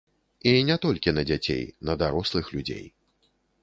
І не толькі на дзяцей, на дарослых людзей.